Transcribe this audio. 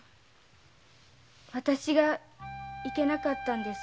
わたしがいけなかったんです。